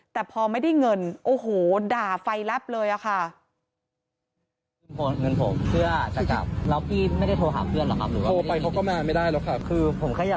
แต่พอไม่ได้เงินโอ้โหด่าไฟลับเลยอะค่ะ